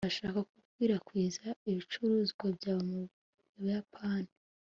turashaka gukwirakwiza ibicuruzwa byawe mu buyapani